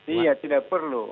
iya tidak perlu